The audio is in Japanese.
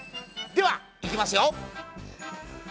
ではいきますよ。